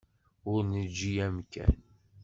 Ur neǧǧi amkan.